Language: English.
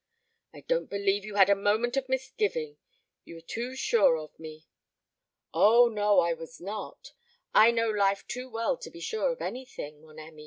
"I don't believe you had a moment of misgiving. You were too sure of me." "Oh, no, I was not! I know life too well to be sure of anything, mon ami.